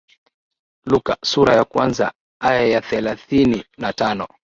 Luka sura ya kwanza aya ya thelathini na tano